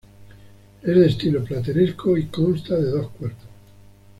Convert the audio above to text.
Es de estilo plateresco y consta de dos cuerpos.